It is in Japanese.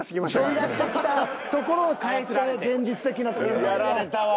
飛び出してきたところを変えて現実的なとこ。やられたわ。